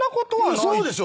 そうでしょ。